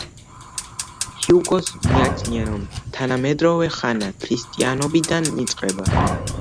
ჰიუგოს მიაჩნია, რომ თანამედროვე ხანა ქრისტიანობიდან იწყება.